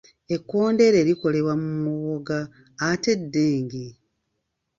Ekkondeere likolebwa mu muboga ate eddenge?